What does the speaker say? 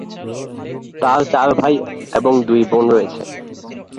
তার চার ভাই এবং দুই বোন রয়েছে।